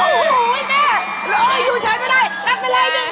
โอ้โฮแม่โรยูใช้ไม่ได้